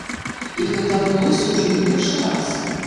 І гэта адбылося ўжо не першы раз.